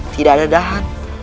tidak ada dahan